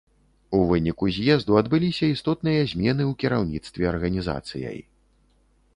У выніку з'езду адбыліся істотныя змены ў кіраўніцтве арганізацыяй.